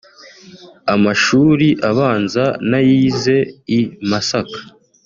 Amashuli abanza nayize i Masaka